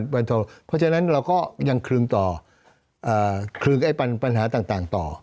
เพราะฉะนั้นเราก็ยังคลึงต่อคลึงปัญหาต่างต่อ